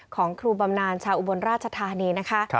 ของครูบำนานชาวอุบลราชธานีนะคะ